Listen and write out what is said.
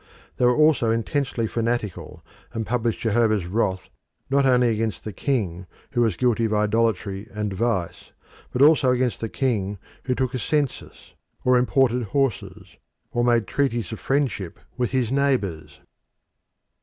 They were also intensely fanatical, and published Jehovah's wrath not only against the king who was guilty of idolatry and vice, but also against the king who took a census, or imported horses, or made treaties of friendship with his neighbours.